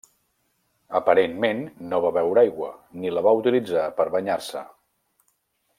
Aparentment no va beure aigua, ni la va utilitzar per banyar-se.